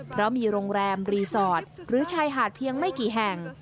เพราะมีโรงแรมรีสอร์ทหรือชายหาดเพียงไม่กี่แห่ง